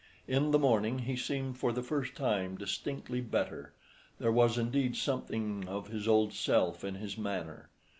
In the morning he seemed for the first time distinctly better; there was indeed something of his old self in his manner.